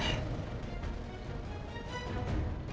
gue gak mau dipenjara lagi